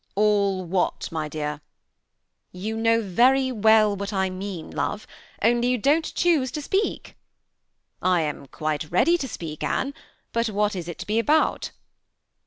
"All what, my dear?" " You know very well what I mean, love, only you don't choose to speak." " I am quite ready to speak, Axme ; but what ia it to be about?"